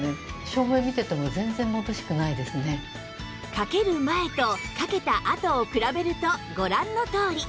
かける前とかけたあとを比べるとご覧のとおり